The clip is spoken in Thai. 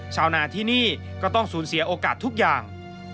ชาวนาที่นี่ก็ต้องสูญเสียโอกาสทุกอย่าง